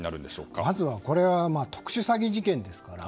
まずこれは、特殊詐欺事件です。